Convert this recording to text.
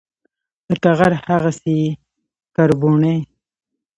لکه غر، هغسي یې کربوڼی